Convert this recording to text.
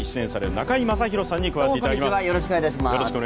中居正広さんに加わっていただきます。